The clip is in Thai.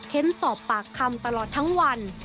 เค้นสอบปากคำตลอดทั้งวัน